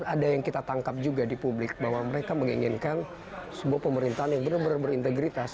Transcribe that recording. ada yang kita tangkap juga di publik bahwa mereka menginginkan sebuah pemerintahan yang benar benar berintegritas